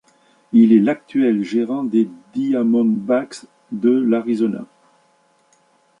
Il est l'actuel gérant des Diamondbacks de l'Arizona.